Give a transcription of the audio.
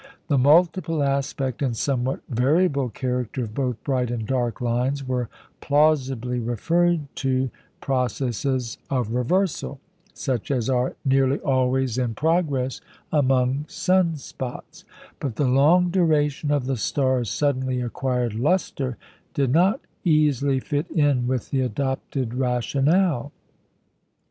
The multiple aspect and somewhat variable character of both bright and dark lines were plausibly referred to processes of "reversal," such as are nearly always in progress above sun spots; but the long duration of the star's suddenly acquired lustre did not easily fit in with the adopted rationale.